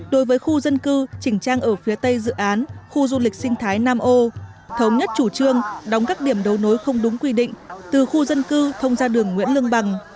đối với khu dân cư chỉnh trang ở phía tây dự án khu du lịch sinh thái nam âu thống nhất chủ trương đóng các điểm đấu nối không đúng quy định từ khu dân cư thông ra đường nguyễn lương bằng